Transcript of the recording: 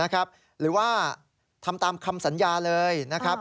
หรือว่าทำตามคำสัญญาเลยนะครับ